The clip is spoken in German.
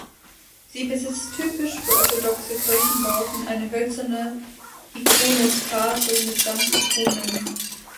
Sie besitzt typisch für orthodoxe Kirchenbauten eine (hölzerne) Ikonostase mitsamt Ikonen.